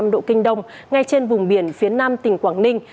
một trăm linh bảy năm độ kinh đông ngay trên vùng biển phía nam tỉnh quảng ninh